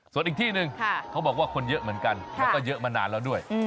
ส่วนอีกที่หนึ่งเขาบอกว่าคนเยอะเหมือนกันแล้วก็เยอะมานานแล้วด้วย